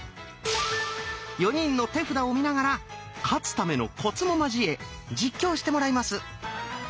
４人の手札を見ながら「勝つためのコツ」も交え実況してもらいます。